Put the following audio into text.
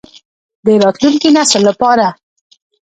د راتلونکي نسل لپاره.